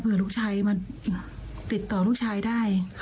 เพื่อลูกชายมาติดต่อลูกชายได้